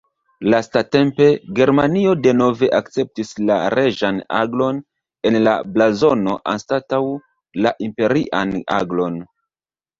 Lastatempe Germanio denove akceptis la reĝan aglon en la blazono anstataŭ la imperian aglon.